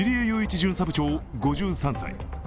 巡査部長、５３歳。